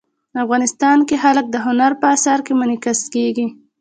افغانستان کې جلګه د هنر په اثار کې منعکس کېږي.